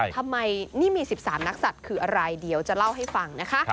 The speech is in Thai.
ทำไมนี่มี๑๓นักสัตว์คืออะไรเดี๋ยวจะเล่าให้ฟังนะคะ